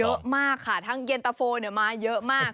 เยอะมากค่ะทั้งเย็นตะโฟมาเยอะมาก